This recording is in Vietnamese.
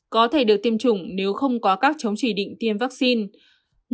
có thể được tiêm chủng nếu không có các chống chỉ định tiêm vaccine